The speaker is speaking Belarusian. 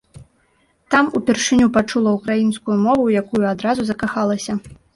Там упершыню пачула ўкраінскую мову, у якую адразу закахалася.